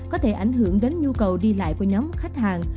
có thể ảnh hưởng đến nhu cầu đi lại của nhóm khách hàng